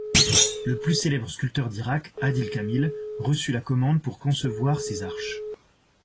Le plus célèbre sculpteur d'Irak, Adil Kamil, reçut la commande pour concevoir ces arches.